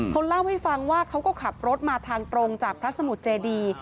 เขาเล่าให้ฟังว่าเขาก็ขับรถมาทางตรงจากพระสมุทรเจดี